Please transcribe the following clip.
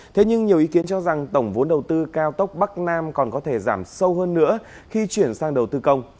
thế nhưng nhiều ý kiến cho rằng tổng vốn đầu tư cao tốc bắc nam còn có thể giảm sâu hơn nữa khi chuyển sang đầu tư công